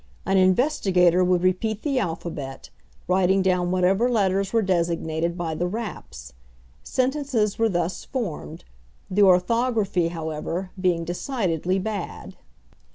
An investigator would repeat the alphabet, writing down whatever letters were designated by the "raps." Sentences were thus formed the orthography, however, being decidedly bad.